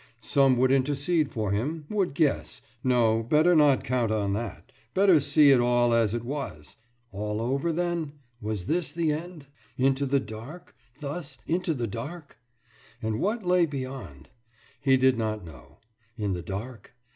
Some would intercede for him would guess ... no, better not count on that, better see it all as it was! All over then? Was this the end? Into the dark thus into the dark? And what lay beyond? He did not know. In the dark?